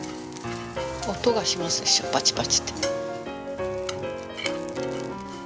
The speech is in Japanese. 音がしますでしょパチパチと。